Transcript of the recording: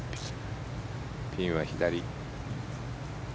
ピンは左。